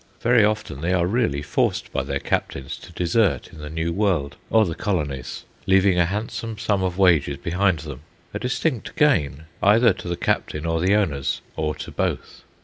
Very often they are really forced by their captains to desert in the New World or the colonies, leaving a handsome sum of wages behind them—a distinct gain, either to the captain or the owners, or to both.